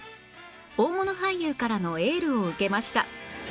大物俳優からのエールを受けました